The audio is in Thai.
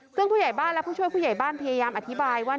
ซึ่งผู้ใหญ่บ้านและผู้ช่วยผู้ใหญ่บ้านพยายามอธิบายว่า